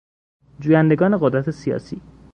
جویندگان قدرت سیاسی